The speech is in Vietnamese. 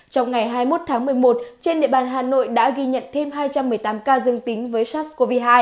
trong ngày hai mươi một tháng một mươi một trên địa bàn hà nội đã ghi nhận thêm hai trăm một mươi tám ca dương tính với sars cov hai